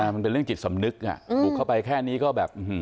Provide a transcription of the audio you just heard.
มันเป็นเรื่องจิตสำนึกบุกเข้าไปแค่นี้ก็แบบ